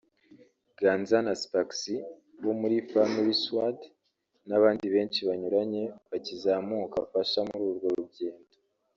Ganza na Spax wo muri Family Squard n'abandi benshi banyuranye bakizamuka afasha muri urwo rugendo